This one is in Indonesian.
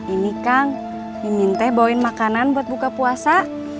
ini kang pingin teh bawain makanan buat buka puasa